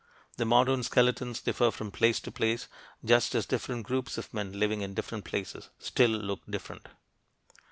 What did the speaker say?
The modern skeletons differ from place to place, just as different groups of men living in different places still look different.